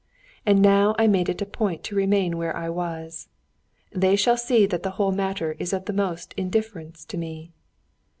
And now I made it a point to remain where I was. They shall see that the whole matter is of the utmost indifference to me.